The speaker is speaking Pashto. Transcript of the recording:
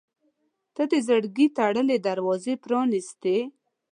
• ته د زړګي تړلې دروازه پرانستې.